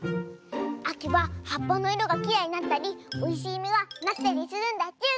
あきははっぱのいろがきれいになったりおいしいみがなったりするんだチュン！